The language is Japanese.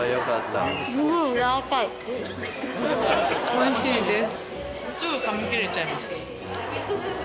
おいしいです。